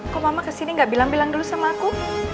kok mama kesini gak bilang bilang dulu sama aku